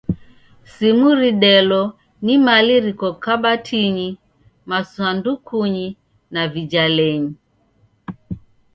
Simu ridelo ni mali riko kabatinyi, masandukunyi, na vijalenyi.